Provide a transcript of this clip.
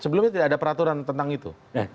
sebelumnya tidak ada peraturan tentang itu